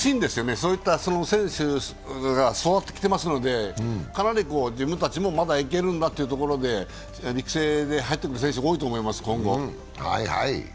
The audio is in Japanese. そういった選手が育ってきてますので、自分たちもまだいけるんだってことで育成で入ってくる選手も今後多いと思います。